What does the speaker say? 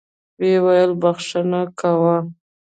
ويې ويل بخښه کوه.